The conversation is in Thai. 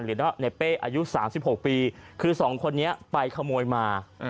หรือว่าในเป้อายุ๓๖ปีคือ๒คนนี้ไปขโมยมา